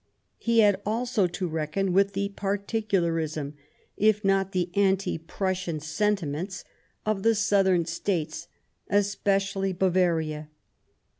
He had also to reckon with the particularism, if not the anti Prussian sentiments, of the Southern States, especially Bavaria.